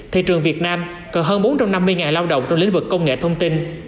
thị trường việt nam cần hơn bốn trăm năm mươi lao động trong lĩnh vực công nghệ thông tin